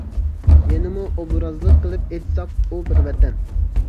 يەنىمۇ ئوبرازلىق قىلىپ ئېيتساق، ئۇ بىر ۋەتەن.